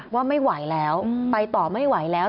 ว่าไม่ไหวแล้วไปต่อไม่ไหวแล้ว